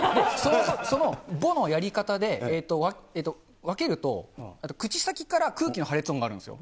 そのぼのやり方で、分けると、口先から空気の破裂音があるんですよ。